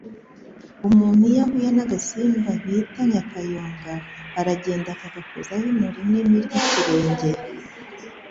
Umuntu iyo ahuye n’agasimba bita Nyakayonga, aragenda akagakozaho ino rinini ry’ikirenge,